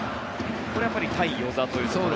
これは対與座というところ。